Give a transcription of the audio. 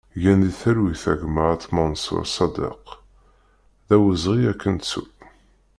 Gen di talwit a gma At Mansur Saddek, d awezɣi ad k-nettu!